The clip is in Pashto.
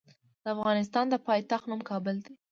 د افغانستان د پايتخت نوم کابل دی.